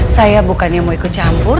saya bukannya mau ikut campur